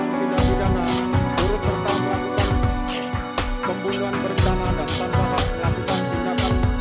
dengan bidang bidana buruk pertama lakukan pembunuhan benda dan tanpa lakukan tindakan